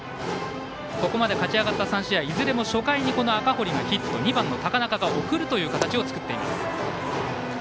ここまで勝ち上がった３試合いずれもこの赤堀がヒット、２番の高中が送るという形を作っています。